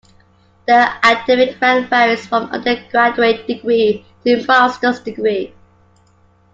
The academic rank varies from undergraduate degree to master's degree.